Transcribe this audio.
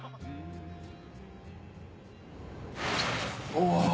お！